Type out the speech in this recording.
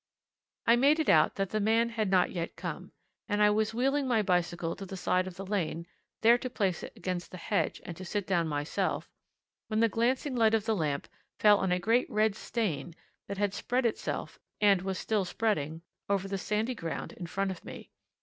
I made it out that the man had not yet come, and I was wheeling my bicycle to the side of the lane, there to place it against the hedge and to sit down myself, when the glancing light of the lamp fell on a great red stain that had spread itself, and was still spreading, over the sandy ground in front of me.